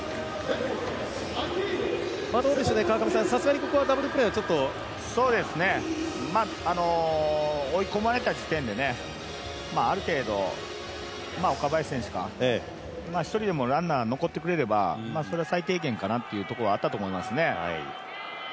さすがにここはダブルプレーは追い込まれた時点である程度岡林選手が１人でもランナー残ってくれれば最低限かなというところはあったと思いますね。